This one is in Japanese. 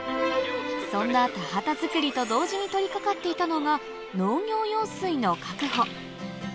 そんな田畑作りと同時に取り掛かっていたのが農業用水の確保